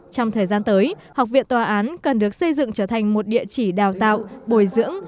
trong thời gian tới học viện tòa án cần được xây dựng trở thành một địa chỉ đào tạo bồi dưỡng